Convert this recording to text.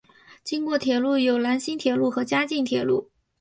经过铁路有兰新铁路和嘉镜铁路。